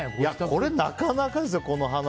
これ、なかなかですよ。